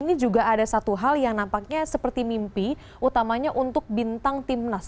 ini juga ada satu hal yang nampaknya seperti mimpi utamanya untuk bintang timnas